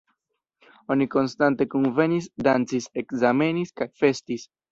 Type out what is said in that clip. Oni konstante kunvenis, dancis, ekzamenis kaj festis.